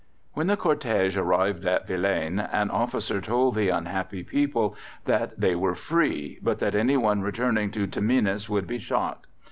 When the cortege arrived at Vilaines, an officer told the unhappy people that they were free, but that anyone returning to Tamines would be shot.